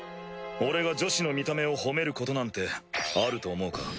俺が女子の見た目を褒めることなんてあると思うか？